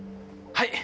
はい！